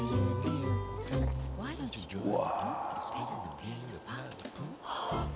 うわ。